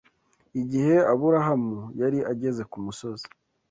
Igihe Aburahamu yari ageze ku musozi